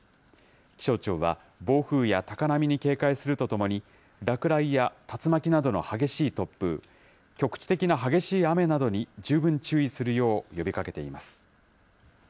気象庁は暴風や高波に警戒するとともに、落雷や竜巻などの激しい突風、局地的な激しい雨などに十分注意するよう呼びかけています。